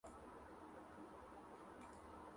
اچھا پلئیر نہیں بن سکتا،